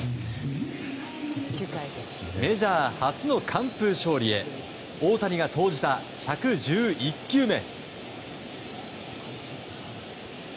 メジャー初の完封勝利へ大谷が投じた１１１球目。